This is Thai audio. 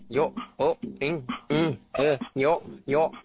โยโยโย